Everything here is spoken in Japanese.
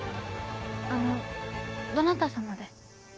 あのどなた様で？